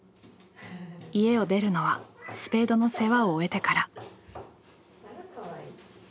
家を出るのはスペードの世話を終えてから。